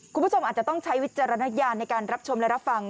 คุณผู้ชมอาจจะต้องใช้วิจารณญาณในการรับชมและรับฟัง